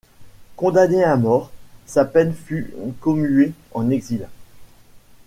Condamné à mort, sa peine fut commuée en exil.